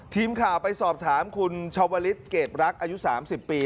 ทีมข่าวไปสอบถามคุณชาวลิศเกรดรักอายุ๓๐ปี